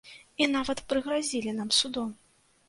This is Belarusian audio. І нават прыгразілі нам судом.